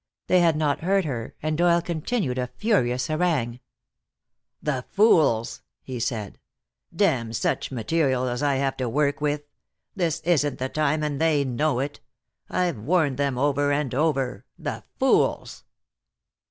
They had not heard her, and Doyle continued a furious harangue. "The fools!" he said. "Damn such material as I have to work with! This isn't the time, and they know it. I've warned them over and over. The fools!"